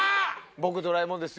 「ぼくドラえもんです」